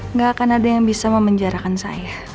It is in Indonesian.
nggak akan ada yang bisa memenjarakan saya